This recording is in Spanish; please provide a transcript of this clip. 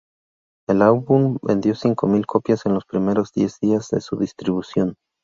El álbum vendió cinco mil copias en los primeros diez días de su distribución.